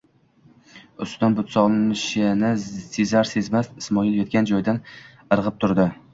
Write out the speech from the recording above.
Ustidan buta olinishini sezar-sezmas Ismoil yotgan joyidan irg'ib turdi.